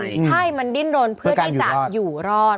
ใช่มันดิ้นรนเพื่อที่จะอยู่รอด